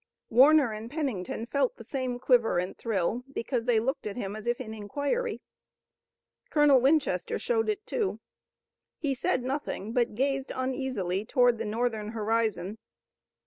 Warner and Pennington felt the same quiver and thrill, because they looked at him as if in inquiry. Colonel Winchester showed it, too. He said nothing, but gazed uneasily toward the Northern horizon.